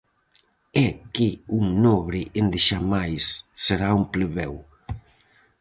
É que un nobre endexamais será un plebeo.